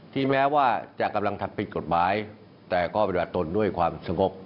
แม้ว่าจะกำลังทำผิดกฎหมายแต่ก็ปฏิบัติตนด้วยความสงบ